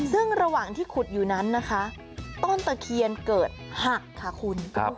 ซึ่งระหว่างที่ขุดอยู่นั้นนะคะต้นตะเคียนเกิดหักค่ะคุณ